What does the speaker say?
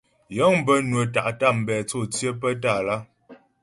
Yə̂ŋ bə́ nwə́ tá’ tambɛ̂ tsô tsyə́ pə́ Tâlá.